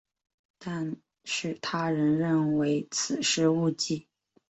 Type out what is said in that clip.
但是他人认为此是误记。